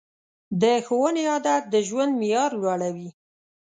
د ښوونې عادت د ژوند معیار لوړوي.